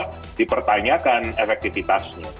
jadi pertanyaan efektivitasnya